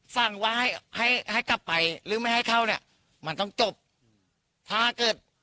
สั่งว่าให้ให้กลับไปหรือไม่ให้เข้าเนี่ยมันต้องจบถ้าเกิด